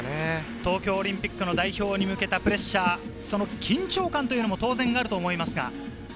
東京オリンピックの代表に向けたプレッシャー、その緊張感っていうのも当然あると思います。